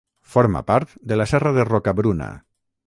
Forma part de la serra de Rocabruna.